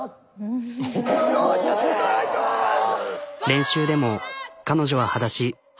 練習でも彼女ははだし。